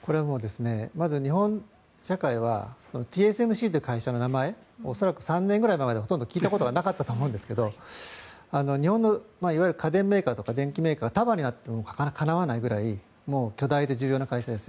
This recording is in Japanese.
まず、日本社会はＴＳＭＣという会社の名前恐らく３年ぐらい前はほとんど聞いたことがなかったと思うんですが日本のいわゆる家電メーカーとか電気メーカーが束になってもかなわないくらい巨大で重要な会社です。